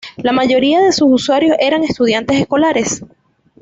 La mayoría de sus usuarios eran estudiantes escolares.